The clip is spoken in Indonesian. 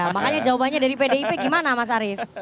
makanya jawabannya dari pdip gimana mas arief